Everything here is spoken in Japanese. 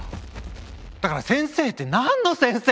だから先生って何の先生？